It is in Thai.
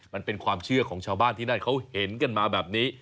มันเป็นความเชื่อของชาวบ้านที่นั่นเขาเห็นกันมาแบบนี้